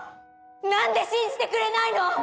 何で信じてくれないの！